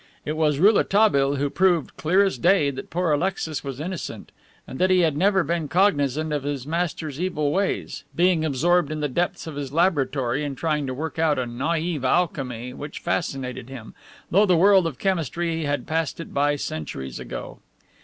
It was Rouletabille who proved, clear as day, that poor Alexis was innocent, and that he had never been cognizant of his master's evil ways, being absorbed in the depths of his laboratory in trying to work out a naive alchemy which fascinated him, though the world of chemistry had passed it by centuries ago.